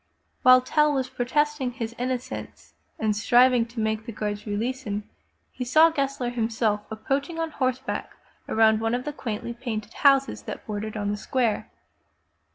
While Tell was protesting his inno cence and striving to make the guards release him, he saw Gessler himself approaching on horseback around one of the quaintly painted houses that bordered on the square.